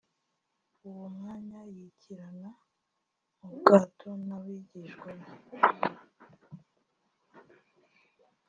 uwo mwanya yikirana mu bwato n’abigishwa be